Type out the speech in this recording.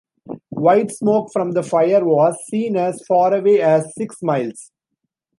White smoke from the fire was seen as far away as six miles.